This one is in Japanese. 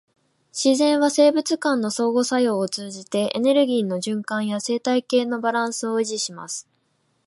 自然は生物間の相互作用を通じて、エネルギーの循環や生態系のバランスを維持します。